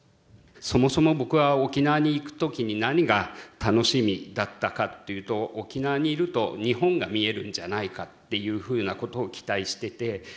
そもそも僕は沖縄に行く時に何が楽しみだったかっていうと沖縄にいると日本が見えるんじゃないかっていうふうなことを期待してて。